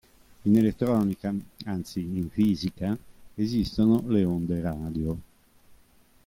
In elettronica, anzi in fisica, esistono le onde radio.